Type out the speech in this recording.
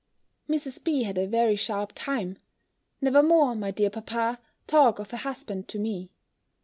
Mrs. B. had a very sharp time. Never more, my dear papa, talk of a husband to me.